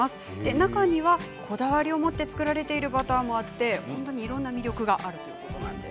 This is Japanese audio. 中には、こだわりをもって作られているバターもあって本当にいろんな魅力があるということなんです。